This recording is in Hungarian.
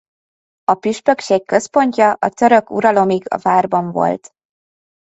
A püspökség központja a török uralomig a várban volt.